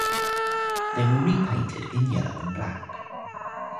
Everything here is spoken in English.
They were repainted in yellow and black.